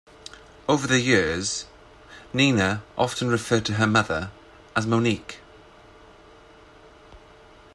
Over the years, Nina often referred to her mother as "Monique".